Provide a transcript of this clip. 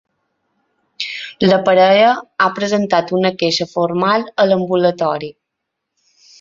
La parella ha presentat una queixa formal a l’ambulatori.